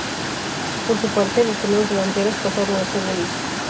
Por su parte, los frenos delanteros pasaron a ser de disco.